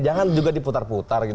jangan juga diputar putar